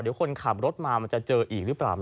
เดี๋ยวคนขับรถมามันจะเจออีกหรือเปล่า